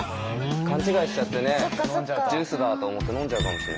勘違いしちゃってねジュースだと思って飲んじゃうかもしれない。